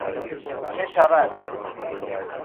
چه شود